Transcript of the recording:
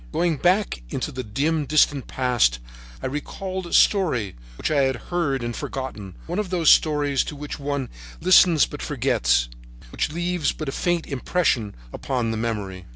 Going back into the dim, distant past, I recalled a story which I had heard and forgotten, one of those stories to which one listens but forgets, and which leave but a faint impression upon the memory.